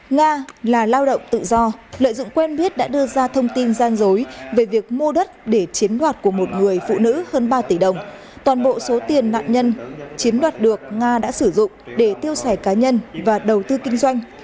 nga là lao động tự do lợi dụng quen biết đã đưa ra thông tin gian dối về việc mua đất để chiếm đoạt của một người phụ nữ hơn ba tỷ đồng toàn bộ số tiền nạn nhân chiếm đoạt được nga đã sử dụng để tiêu sẻ cá nhân và đầu tư kinh doanh